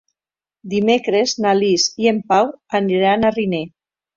Dimecres na Lis i en Pau aniran a Riner.